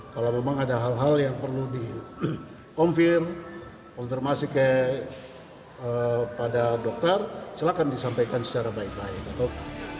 kalau memang ada hal hal yang perlu di confirm konfirmasi kepada dokter silahkan disampaikan secara baik baik